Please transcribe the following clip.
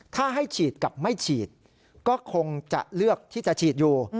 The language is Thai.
ถ้าให้ฉีดกับไม่ฉีดก็คงจะเลือกที่จะฉีดอยู่